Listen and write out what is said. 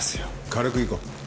軽くいこう。